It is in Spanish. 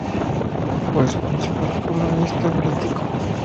Fue su principal columnista político.